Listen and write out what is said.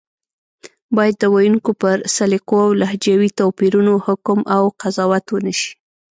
بايد د ویونکو پر سلیقو او لهجوي توپیرونو حکم او قضاوت ونشي